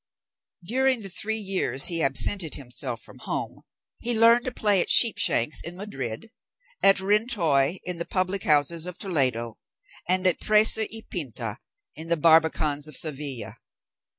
During the three years he absented himself from home, he learned to play at sheepshanks in Madrid, at rentoy in the public houses of Toledo, and at presa y pinta in the barbacans of Seville.